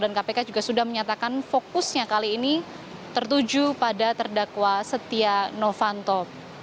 dan kpk juga sudah menyatakan fokusnya kali ini tertuju pada terdakwa setia novanto